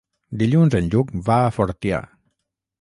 Dilluns en Lluc va a Fortià.